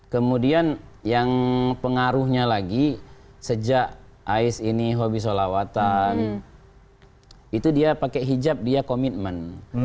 kemudian yang pengaruhnya lagi sejak ais ini hobi sholawatan itu dia pakai hijab dia komitmen